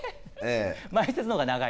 前説の方が長い。